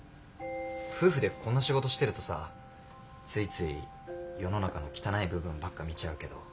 夫婦でこんな仕事してるとさついつい世の中の汚い部分ばっか見ちゃうけど。